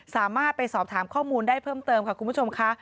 สามารถไปสอบถามข้อมูลได้เพิ่มเติมค่ะคุณผู้ชมค่ะ